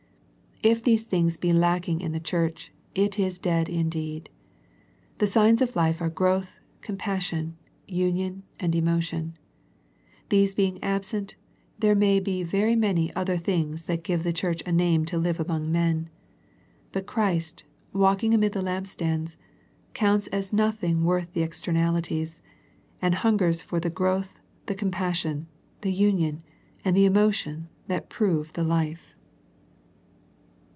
If these things be lacking in the church, it is dead indeed. The signs of life are growth, compassion, union, and emotion. These being absent, there may be very many other things that give the church a name to live among men. But Christ, walking amid the lampstands, counts as nothing worth the externalities, and hungers for the growth, the compassion, the union, and the emotion that prove the life.